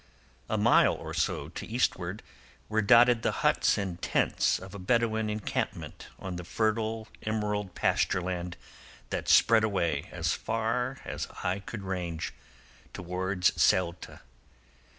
A mile or so to eastward were dotted the huts and tents of a Bedouin encampment on the fertile emerald pasture land that spread away, as far as eye could range, towards Ceuta.